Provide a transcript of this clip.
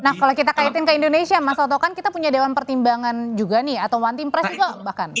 nah kalau kita kaitin ke indonesia mas oto kan kita punya dewan pertimbangan juga nih atau one team press juga bahkan